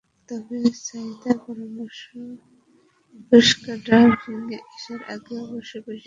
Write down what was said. তবে সাঈদার পরামর্শ, স্কুবা ডাইভিংয়ে আসার আগে অবশ্যই প্রশিক্ষণ নিয়ে আসতে হবে।